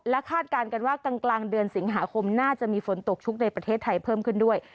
คาดการณ์กันว่ากลางเดือนสิงหาคมน่าจะมีฝนตกชุกในประเทศไทยเพิ่มขึ้นด้วย